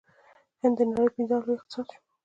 هند د نړۍ پنځم لوی اقتصاد شو.